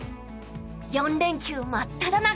４連休真っただ中。